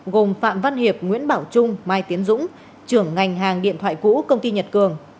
gồm phạm văn hiệp nguyễn bảo trung mai tiến dũng trưởng ngành hàng điện thoại cũ công ty nhật cường